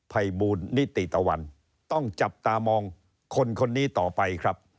ภัยบูลนิติตะวันต้องจับตามองคนคนนี้ต่อไปครับ